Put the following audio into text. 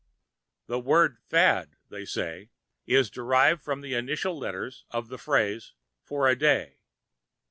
The word "fad," they say, was derived from the initial letters of the phrase "for a day."